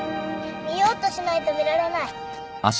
見ようとしないと見られない。